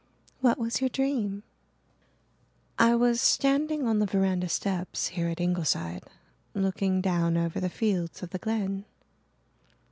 "What was your dream?" "I was standing on the veranda steps, here at Ingleside, looking down over the fields of the Glen.